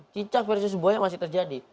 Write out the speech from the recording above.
cicak versus buaya masih terjadi